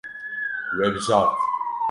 We bijart.